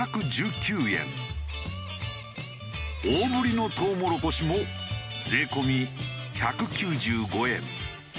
大ぶりのとうもろこしも税込み１９５円。